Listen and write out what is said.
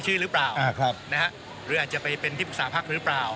ชื่อหรือเปล่าอ่าครับนะฮะหรืออาจจะไปเป็นที่ปรึกษาภักดิ์หรือเปล่า